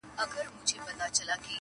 خو د عقل څښتن کړی یې انسان دی -